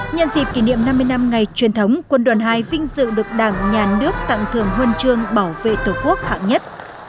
nhân dịp kỷ niệm năm mươi năm ngày truyền thống quân đoàn hai vinh dự được đảng nhà nước tặng thưởng huân chương bảo vệ tổ quốc hạng nhất